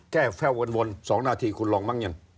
แค่แค่วน๒นาทีคุณลองบ้างยัง